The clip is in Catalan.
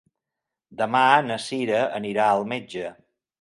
Demà na Cira anirà al metge.